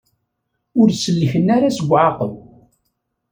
Ur sellken ara seg uɛaqeb.